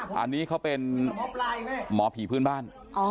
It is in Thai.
อันนี้เขาเป็นหมอผีพื้นบ้าน